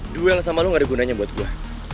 duel sama lo gak ada gunanya buat gue